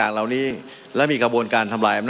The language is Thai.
มันมีมาต่อเนื่องมีเหตุการณ์ที่ไม่เคยเกิดขึ้น